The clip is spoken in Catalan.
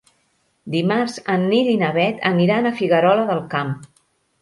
Dimarts en Nil i na Bet aniran a Figuerola del Camp.